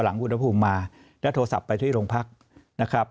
อุณหภูมิมาแล้วโทรศัพท์ไปที่โรงพักนะครับ